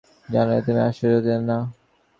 জানলে তুমি আশ্চর্য হতে না।